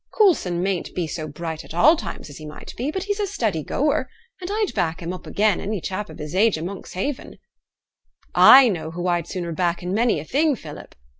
Coulson mayn't be so bright at all times as he might be, but he's a steady goer, and I'd back him again' any chap o' his age i' Monkshaven.' 'I know who I'd sooner back in many a thing, Philip!'